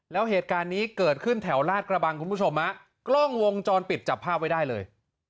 แล้วเหตุการณ์นี้เกิดขึ้นแถวลาดกระบังคุณผู้ชมฮะกล้องวงจรปิดจับภาพไว้ได้เลย